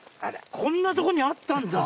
こんなとこにあったんだ！